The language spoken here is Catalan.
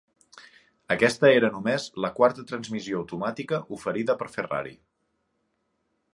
Aquesta era només la quarta transmissió automàtica oferida per Ferrari.